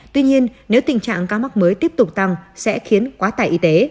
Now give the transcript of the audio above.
tuy nhiên nếu tình trạng ca mắc mới tiếp tục tăng sẽ khiến quá tải y tế